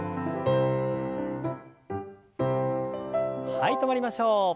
はい止まりましょう。